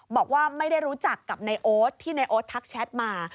บอกว่าไม่ได้รู้จักกับนายโอ๊ตที่ในโอ๊ตทักแชทมา